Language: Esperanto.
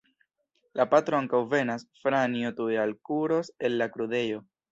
La patro ankaŭ venas, Franjo tuj alkuros el la kudrejo.